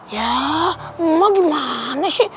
ya ma gimana sih